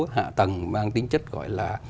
hạ tầng mang tính chất gọi là